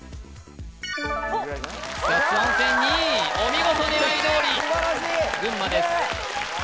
２位お見事狙いどおり群馬です